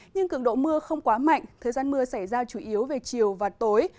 nhưng cường độ mưa không quá mạnh thời gian mưa xảy ra chủ yếu về chiều và tối